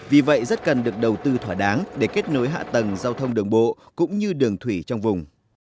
vì vậy rất cần được đầu tư thỏa đáng để kết nối hạ tầng giao thông đường bộ cũng như đường thủy trong vùng